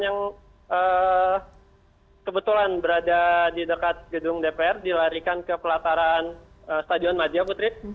yang kebetulan berada di dekat gedung dpr dilarikan ke pelataran stadion madia putri